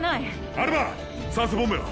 アルバ酸素ボンベは？